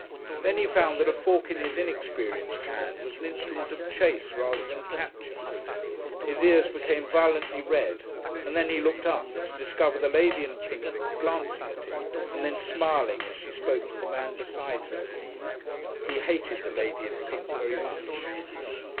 Then he found that a fork in his inexperienced hand was an instrument of chase rather than capture. His ears became violently red, and then he looked up, to discover the lady in pink glancing at him and then smiling as she spoke to the man beside her. He hated the lady in pink very much.